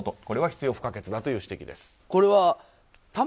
これは必要不可欠だという指摘です。